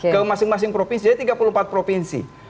ke masing masing provinsi jadi tiga puluh empat provinsi